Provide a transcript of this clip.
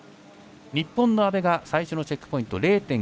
日本の阿部が最初のチェックポイント